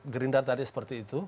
gerindra tadi seperti itu